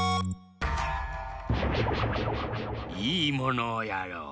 いいものをやろう。